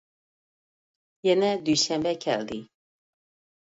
يەنە دۈشەنبە كەلدى.